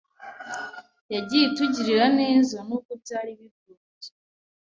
yagiye itugirira neza n’ubwo byari bigoye.